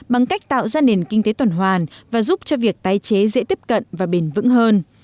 bằng cách tạo ra nền kinh tế tuần hoàn và giúp cho việc tái chế dễ tiếp cận và bền vững hơn